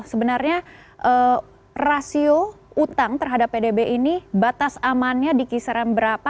sebenarnya rasio utang terhadap pdb ini batas amannya di kisaran berapa